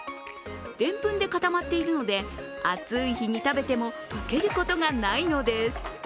でんぷんで固まっているので、暑い日に食べても溶けることがないのです。